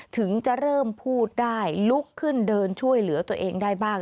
ถึงจะเริ่มพูดได้ลุกขึ้นเดินช่วยเหลือตัวเองได้บ้าง